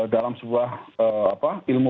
dalam sebuah ilmu